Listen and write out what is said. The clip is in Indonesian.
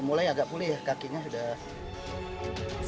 selain menangkap tersangka berinisialisasi